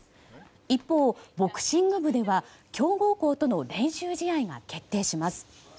一方、ボクシング部では強豪校との練習試合が決定します。